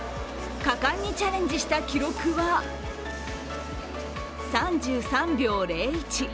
果敢にチャレンジした記録は３３秒０１。